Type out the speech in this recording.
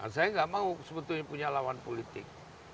saya nggak mau sebetulnya punya lawan politik